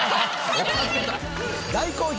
大好評！